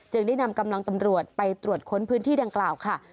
ได้นำกำลังตำรวจไปตรวจค้นพื้นที่ดังกล่าวค่ะ